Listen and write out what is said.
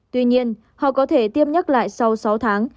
tuy nhiên họ có thể tiêm nhắc lại sau sáu tháng